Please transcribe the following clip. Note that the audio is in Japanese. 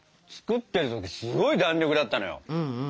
作ってる時すごい弾力だったのよ。